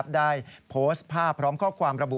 ได้โพสต์ภาพพร้อมข้อความระบุ